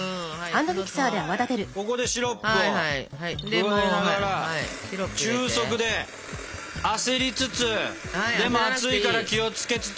ここでシロップを加えながら中速で焦りつつでも熱いから気を付けつつ。